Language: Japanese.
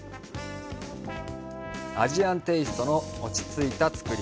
アジアンテイストの落ち着いた造り。